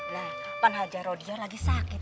lah kan haji rodia lagi sakit